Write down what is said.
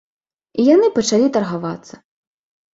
І яны пачалі таргавацца.